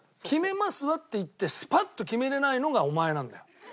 「決めますわ」って言ってスパッと決められないのがお前なんだよ。